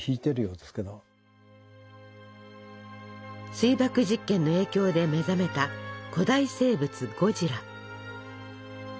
水爆実験の影響で目覚めた古代生物ゴジラ。